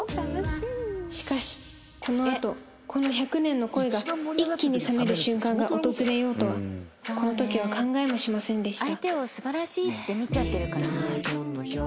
しかしこのあとこの１００年の恋が一気に冷める瞬間が訪れようとはこの時は考えもしませんでした